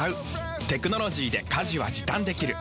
テクノロジーで家事は時短できる。